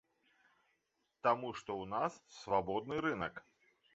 Таму што ў нас свабодны рынак.